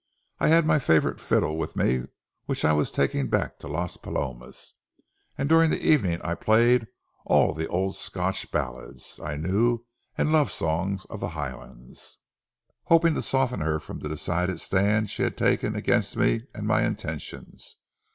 I had my favorite fiddle with me which I was taking back to Las Palomas, and during the evening I played all the old Scotch ballads I knew and love songs of the highlands, hoping to soften her from the decided stand she had taken against me and my intentions.